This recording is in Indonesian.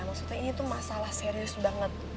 maksudnya ini tuh masalah serius banget